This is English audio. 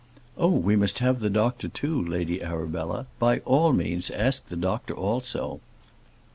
"Oh, we must have the doctor, too, Lady Arabella; by all means ask the doctor also."